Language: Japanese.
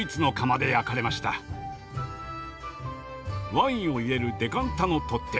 ワインを入れるデカンタの取っ手。